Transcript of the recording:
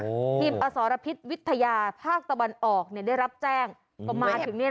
โอ้โฮนี่มันโผ่หัวมาอีกแล้วใช่ค่ะโอ้โฮนี่มันโผ่หัวมาอีกแล้ว